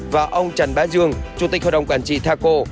và ông trần bá dương chủ tịch hội đồng quản trị thaco